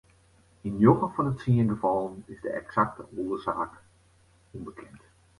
Yn njoggen fan de tsien gefallen is de eksakte oarsaak ûnbekend.